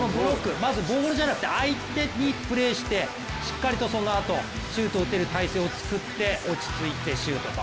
まずボールじゃなくて相手にプレーして、しっかりとそのあとシュート打てる体勢を作って、落ち着いて、シュートと。